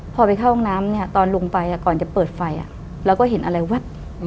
พอไปเข้าห้องน้ำเนี่ยตอนลงไปก่อนจะเปิดไฟเราก็เห็นอะไรแว๊บ